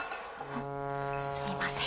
すみません。